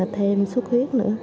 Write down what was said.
thêm xuất huyết nữa